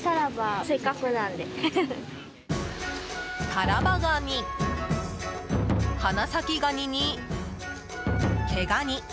タラバガニ花咲ガニに、毛がに！